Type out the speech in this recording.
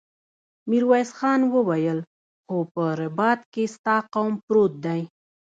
ميرويس خان وويل: خو په رباط کې ستا قوم پروت دی.